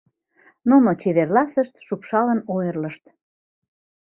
Нуно чеверласышт, шупшалын ойырлышт.